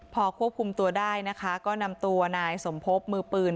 พอควบคุมตัวได้นะคะก็นำตัวนายสมภพมือปืน